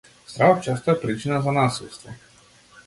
Стравот често е причина за насилство.